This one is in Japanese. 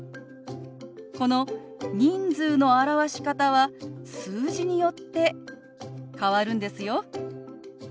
この人数の表し方は数字によって変わるんですよ。